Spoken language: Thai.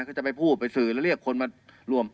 เขาจะไปพูดไปสื่อแล้วเรียกคนมารวม